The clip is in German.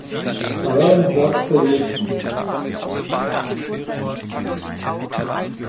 Tabellenplatz belegten.